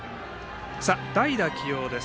代打起用です。